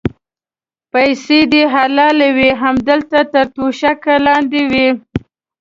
پیسې دې حلالې وې هملته تر توشکه لاندې وې.